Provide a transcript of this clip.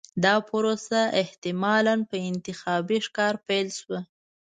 دا پروسه احتمالاً په انتخابي ښکار پیل شوه.